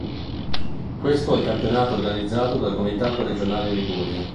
Questo è il campionato organizzato dal Comitato Regionale Liguria.